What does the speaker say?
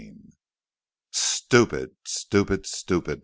V "Stupid, stupid, stupid!"